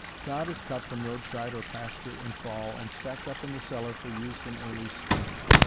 Sod is cut from roadside or pasture in fall and stacked up in the cellar for use in early spring.